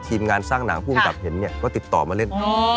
ทีมงานสร้างหนังภูมิกับเห็นเนี่ยก็ติดต่อมาเล่น